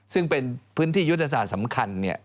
ซึ่งเป็นพื้นที่ยุทธศาสตร์สำคัญ